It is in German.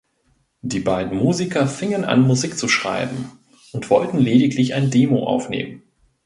Die beiden Musiker fingen an Musik zu schreiben und wollten lediglich ein Demo aufnehmen.